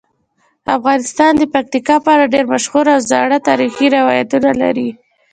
افغانستان د پکتیکا په اړه ډیر مشهور او زاړه تاریخی روایتونه لري.